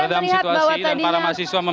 meredam situasi dan para mahasiswa menangkapnya